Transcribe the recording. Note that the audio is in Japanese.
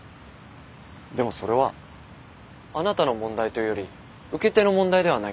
でもそれはあなたの問題というより受け手の問題ではないかと。